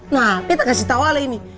nah beta kasih tau ali ini